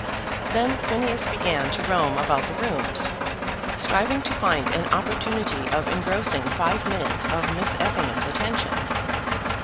Then Phineas began to roam about the rooms, striving to find an opportunity of engrossing five minutes of Miss Effingham's attention.